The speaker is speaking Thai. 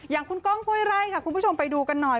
อย่างคุณก้องห้วยไร่ค่ะคุณผู้ชมไปดูกันหน่อย